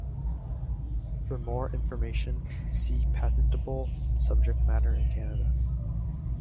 For more information see patentable subject matter in Canada.